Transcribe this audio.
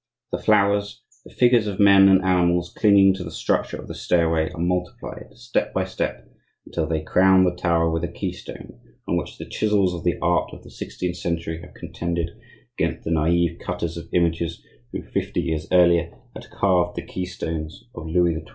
The flowers, the figures of men and animals clinging to the structure of the stairway, are multiplied, step by step, until they crown the tower with a key stone on which the chisels of the art of the sixteenth century have contended against the naive cutters of images who fifty years earlier had carved the key stones of Louis XII.